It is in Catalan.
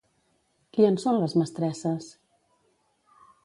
Qui en són les mestresses?